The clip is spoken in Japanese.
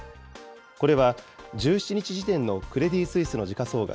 これは１７日時点のクレディ・スイスの時価総額